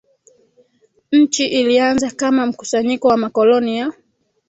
Nchi ilianza kama mkusanyiko wa makoloni ya